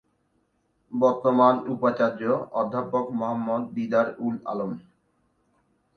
বর্তমান উপাচার্য অধ্যাপক মোহাম্মদ দিদার-উল-আলম।